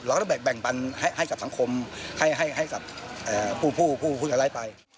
เราก็ต้องแบ่งบรรเวณให้กับสังคมให้กับผู้ไป